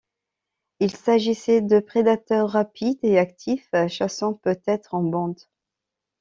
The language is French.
Il s'agissait de prédateurs rapides et actifs, chassant peut-être en bande.